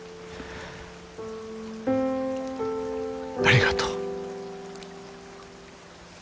ありがとう。